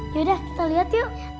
yaudah kita liat yuk